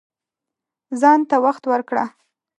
ځان ته وخت ورکړه